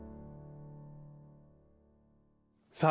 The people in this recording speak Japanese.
さあ